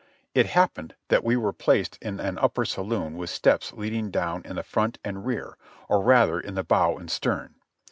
It happened that we were placed in an upper saloon with steps leading down in the front and rear, or rather in the bow and stern.